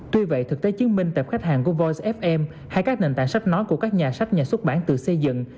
tuy vậy thực tế chứng minh tệp khách hàng của voice app em hay các nền tảng sách nói của các nhà sách nhà xuất bản từ xây dựng